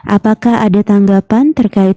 apakah ada tanggapan terkait